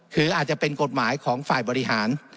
คืออาจจะเป็นกฎหมายของฝ่ายบริหาร